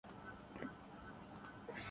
وزیراعظم تو تھے۔